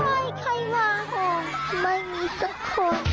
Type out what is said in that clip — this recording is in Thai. ไม่ใครว่าห่วงไม่มีสักคน